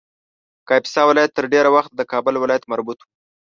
کاپیسا ولایت تر ډېر وخته د کابل ولایت مربوط و